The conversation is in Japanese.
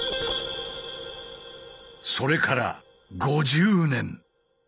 それから５０年。